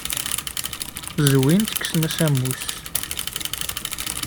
Zwin-tt, kksen-as ammus.